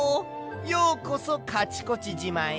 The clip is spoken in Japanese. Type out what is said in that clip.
ようこそカチコチじまへ。